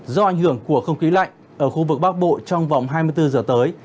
do ảnh hưởng của không khí lạnh ở khu vực bắc bộ trong vòng hai mươi bốn giờ tới